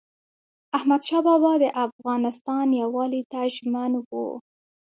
احمدشاه بابا د افغانستان یووالي ته ژمن و.